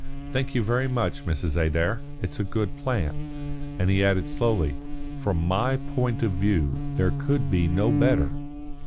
Thank you very much, Mrs. Adair. It is a good plan." And he added slowly, "From my point of view there could be no better."